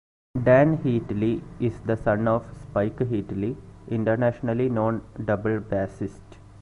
Dan Heatley is the son of Spike Heatley, internationally known double bassist.